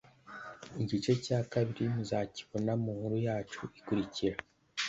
Igice cya kabiri muzakibona mu nkuru yacu ikurikira